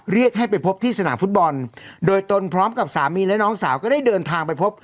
เรียกให้ไปพบที่สนามฟุตบอลโดยตนพร้อมกับสามีและน้องสาวก็ได้เดินทางไปพบ